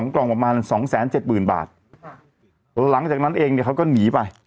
๒กล่องประมาณ๒๗๐๐๐๐บาทหลังจากนั้นเองเนี่ยเขาก็หนีไป